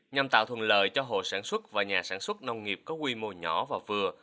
nhằm tạo thuận lợi cho hộ sản xuất và nhà sản xuất nông nghiệp có quy mô nhỏ và vừa